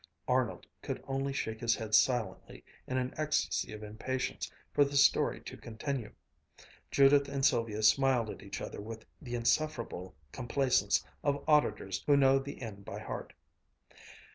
Arnold could only shake his head silently in an ecstasy of impatience for the story to continue. Judith and Sylvia smiled at each other with the insufferable complacence of auditors who know the end by heart.